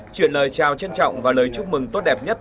chuyển lời chào trân trọng và lời chúc mừng tốt đẹp nhất